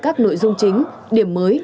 các nội dung chính điểm mới